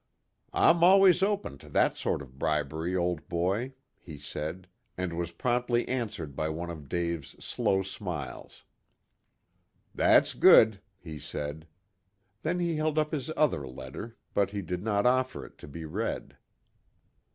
"I'm always open to that sort of bribery, old boy," he said, and was promptly answered by one of Dave's slow smiles. "That's good," he said. Then he held up his other letter, but he did not offer it to be read.